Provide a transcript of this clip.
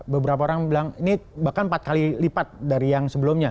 beberapa orang bilang ini bahkan empat kali lipat dari yang sebelumnya